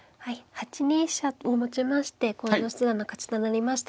８二飛車をもちまして近藤七段の勝ちとなりました。